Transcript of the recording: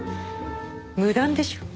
無断でしょ？